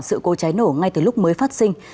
sự cố cháy nổ ngay từ lúc mới phát sinh